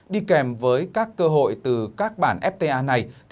đi kèm với các cơ hội từ các bản fta này